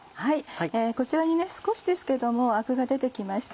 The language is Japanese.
こちらに少しですけどアクが出てきました。